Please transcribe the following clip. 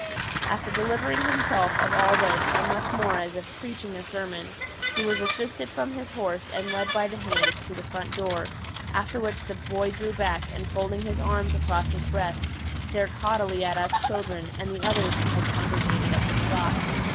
After delivering himself of all this and much more as if preaching a sermon, he was assisted from his horse and led by the hand to the front door, after which the boy drew back and folding his arms across his breast stared haughtily at us children and the others who had congregated at the spot.